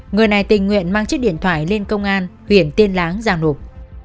người này tình nguyện mang chiếc điện thoại lên công an huyện tiên láng giang lục